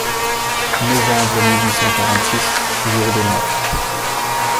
Novembre mille huit cent quarante-six, jour des Morts.